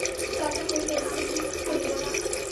রাজা কহিলেন, আমি যুদ্ধ করিব না।